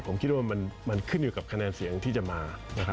ผมคิดว่ามันขึ้นอยู่กับคะแนนเสียงที่จะมานะครับ